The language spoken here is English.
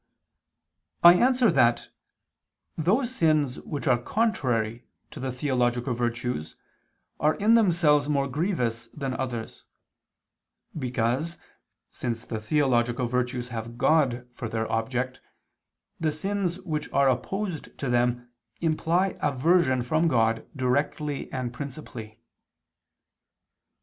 I answer that, Those sins which are contrary to the theological virtues are in themselves more grievous than others: because, since the theological virtues have God for their object, the sins which are opposed to them imply aversion from God directly and principally.